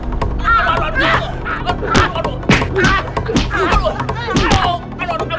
antara minggu dan masa masa tadi